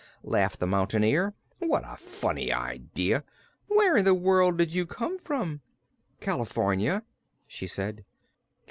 laughed the Mountain Ear. "What a funny idea! Where in the world did you come from?" "California," she said.